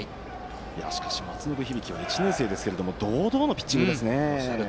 しかし、松延響は１年生ですが堂々のピッチングですね。